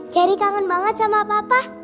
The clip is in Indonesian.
keri kangen banget sama papa